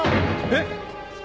えっ？